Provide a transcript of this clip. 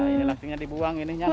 nah ini langsungnya dibuang ini